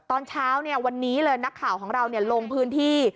ตอนเช้าวันนี้เลยนักข่าวของเราลงพื้นที่